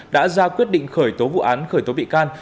đã ra quyết định khởi tố vụ án khởi tố bị can